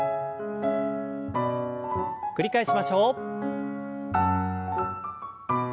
繰り返しましょう。